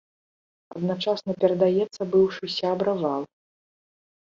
Адначасна перадаецца быўшы сябра вал.